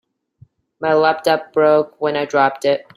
My laptop broke when I dropped it.